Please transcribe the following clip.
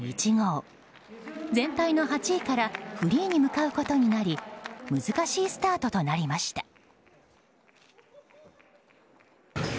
全体の８位からフリーに向かうことになり難しいスタートとなりました。